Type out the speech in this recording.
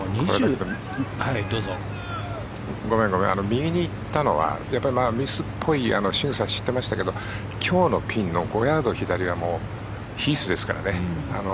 右に行ったのはミスっぽいしぐさをしていましたけど今日のピンの５ヤード左はもうヒースですからね。